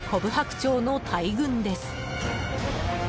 コブハクチョウの大群です。